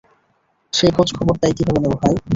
সেই খোঁজখবরটাই কীভাবে নেবো, ভাই?